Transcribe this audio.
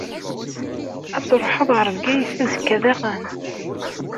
Ad truḥeḍ ɣer Bgayet azekka daɣen?